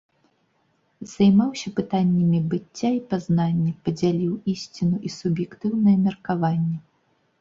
Займаўся пытаннямі быцця і пазнання, падзяліў ісціну і суб'ектыўнае меркаванне.